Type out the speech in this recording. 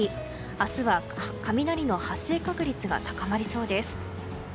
明日は雷の発生確率が高まりそうです。